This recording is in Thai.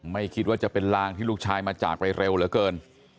ไม่คิดว่าจะเป็นลางที่ลูกชายมาจากไปเร็วเหลือเกิน